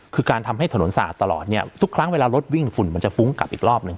คือการทำให้ถนนสะอาดตลอดเนี่ยทุกครั้งเวลารถวิ่งฝุ่นมันจะฟุ้งกลับอีกรอบหนึ่ง